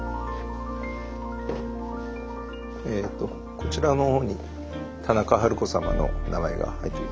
こちらの方に田中春子様の名前が入っております。